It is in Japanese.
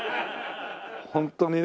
本当にね。